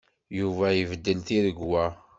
Yuba ibeddel tiregwa.